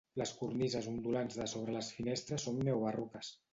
Les cornises ondulants de sobre les finestres són neobarroques.